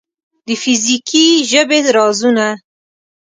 د فزیکي ژبې رازونه